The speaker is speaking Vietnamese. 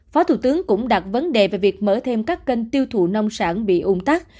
phó thủ tướng cũng đặt vấn đề về việc mở thêm các kênh tiêu thụ nông sản bị ung tắc